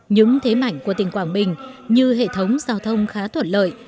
những thế mạnh của tỉnh quảng bình như hệ thống giao thông khá thuận lợi